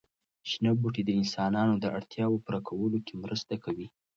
شنه بوټي د انسانانو د اړتیاوو پوره کولو کې مرسته کوي.